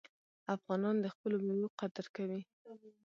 افغانان د خپلو میوو قدر کوي.